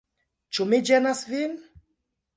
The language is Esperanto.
Ĉu mi ĝenas vin?